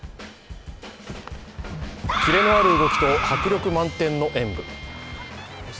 キレのある動きと迫力満点の演武。